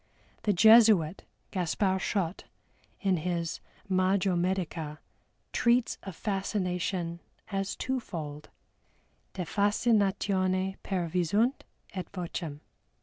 The Jesuit, GASPAR SCHOTT, in his Magio Medica treats of Fascination as twofold: De Fascinatione per Visunt et Vocem.